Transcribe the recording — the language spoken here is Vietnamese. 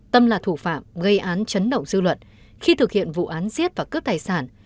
tâm là thủ phạm gây án chấn động dư luận khi thực hiện vụ án giết và cướp tài sản